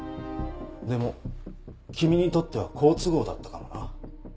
でも君にとっては好都合だったかもな。